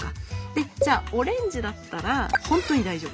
でじゃあオレンジだったら本当に大丈夫。